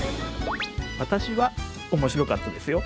私は面白かったですよ。